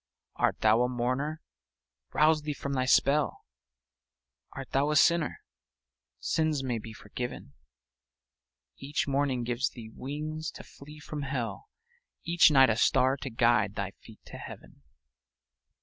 Art thou a mourner? Rouse thee from thy spell ; Art thou a sinner? Sins may be forgiven ; Each morning gives thee wings to flee from hell, Each night a star to guide thy feet to heaven.